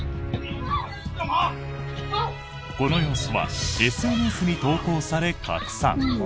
この様子はＳＮＳに投稿され、拡散。